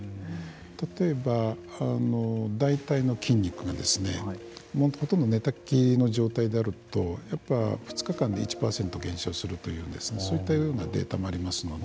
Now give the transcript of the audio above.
例えば、大腿の筋肉がほとんど寝たきりの状態だとやっぱり２日間で１％減少するというそういったようなデータもありますので。